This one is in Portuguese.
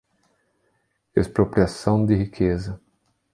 Expropriação de riqueza